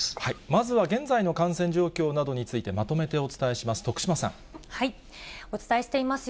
まずは現在の感染状況などについて、まとめてお伝えします。